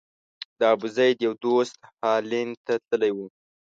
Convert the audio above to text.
د ابوزید یو دوست هالند ته تللی و.